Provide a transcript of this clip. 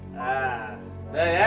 nah udah ya